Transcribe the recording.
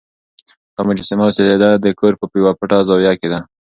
دا مجسمه اوس د ده د کور په یوه پټه زاویه کې ده.